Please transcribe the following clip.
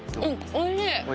おいしい？